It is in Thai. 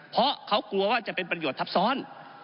เพราะเขากลัวว่าจะเป็นประโยชน์ทับซ้อน